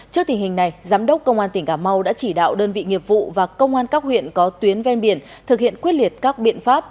trước tình hình này giám đốc công an tỉnh cà mau đã chỉ đạo đơn vị nghiệp vụ và công an các huyện có tuyến ven biển thực hiện quyết liệt các biện pháp